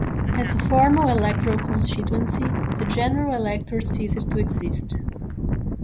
As a formal electoral constituency, the General Electors ceased to exist.